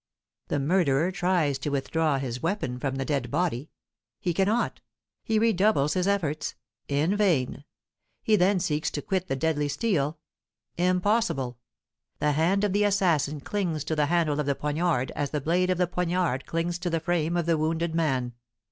The murderer tries to withdraw his weapon from the dead body, he cannot! He redoubles his efforts, in vain! He then seeks to quit the deadly steel, impossible! The hand of the assassin clings to the handle of the poignard, as the blade of the poignard clings to the frame of the wounded man.